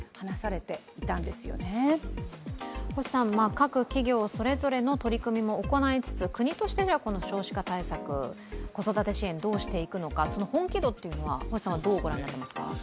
各企業それぞれの取り組みも行いつつ、国として少子化対策、子育て支援どうしていくのかその本気度っていうのはどうご覧になりますか。